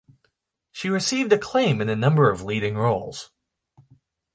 She received acclaim in a number of leading roles.